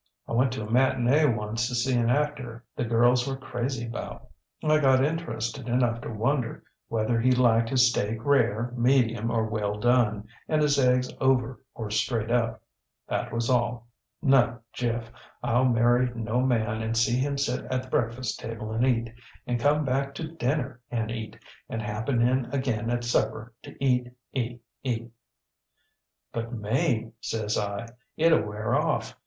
I went to a matin├®e once to see an actor the girls were crazy about. I got interested enough to wonder whether he liked his steak rare, medium, or well done, and his eggs over or straight up. That was all. No, Jeff; IŌĆÖll marry no man and see him sit at the breakfast table and eat, and come back to dinner and eat, and happen in again at supper to eat, eat, eat. ŌĆÖ ŌĆ£ŌĆśBut, Mame, ŌĆÖ says I, ŌĆśitŌĆÖll wear off.